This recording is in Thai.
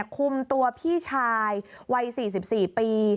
คุมตัวพี่ชายวัย๔๔ปี